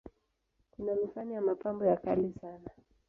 Kuna mifano ya mapambo ya kale sana.